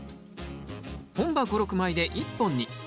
本葉５６枚で１本に。